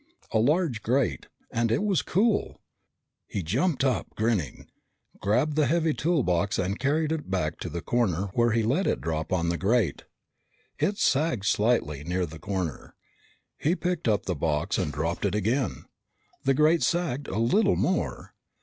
A large grate, and it was cool! He jumped up, grinning, grabbed the heavy toolbox and carried it back to the corner where he let it drop on the grate. It sagged slightly, near the corner. He picked up the box and dropped it again. The grate sagged a little more.